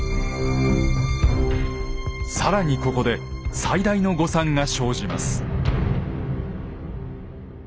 更にここで最大の誤算が生じます。